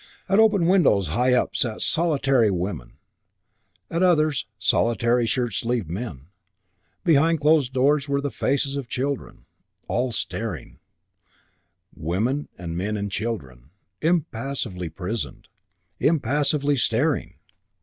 At open windows high up sat solitary women, at others solitary, shirt sleeved men; behind closed windows were the faces of children. All staring, women and men and children, impassively prisoned, impassively staring.